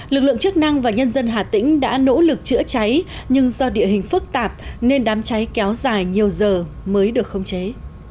lực lượng chức năng và nhân dân hà tĩnh đã nỗ lực chữa cháy nhưng do địa hình phức tạp nên đám cháy kéo dài nhiều giờ mới được khống chế